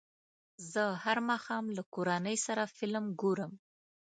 زه هر ماښام له کورنۍ سره فلم ګورم.